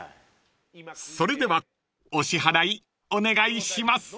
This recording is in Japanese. ［それではお支払いお願いします］